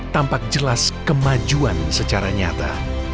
tampak jelas kemajuan secara nyata